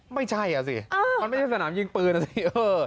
ไม่ใช่อ่ะสิมันไม่ใช่สนามยิงปืนนะสิ